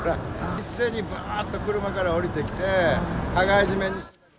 一斉にばーっと車から降りてきて、羽交い締めに。